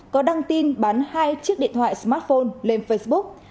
có đăng tin bán hai chiếc điện thoại smartphone lên facebook